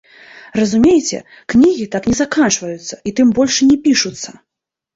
Разумееце, кнігі так не заканчваюцца і, тым больш, не пішуцца!